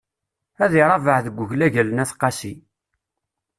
Ad iṛabeɛ deg uglagal n At Qasi.